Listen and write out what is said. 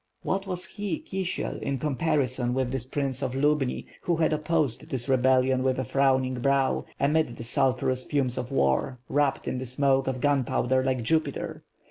What was he, Kisiel, in comparison with this Prince of Lubni, who had opposed this rebellion with a frowning brow, amid the sulphurous fumes of war; wrapped in the smoke of gunpowder like Jupiter?